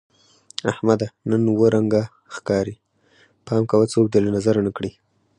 احمده! نن اووه رنگه ښکارې. پام کوه څوک دې له نظره نه کړي.